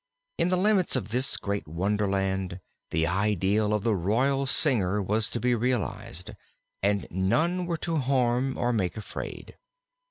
In the limits of this great Wonderland the ideal of the Royal Singer was to be realized, and none were to harm or make afraid.